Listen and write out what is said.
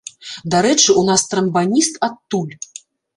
Дарэчы, у нас трамбаніст адтуль.